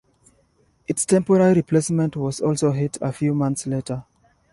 Its temporary replacement was also hit a few months later.